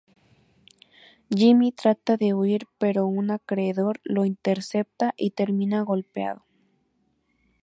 Jimmy trata de huir, pero un acreedor lo intercepta y termina golpeado.